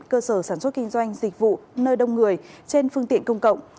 cơ sở sản xuất kinh doanh dịch vụ nơi đông người trên phương tiện công cộng